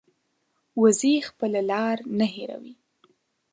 وزې خپله لار نه هېروي